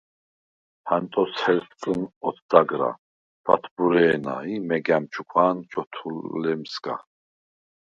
ჰანტოს ჰერსკნ ოთდაგრა, ჩვათბურე̄ნა ი მეგა̈მ ჩუქვა̄ნ ჩვოთლემსგა.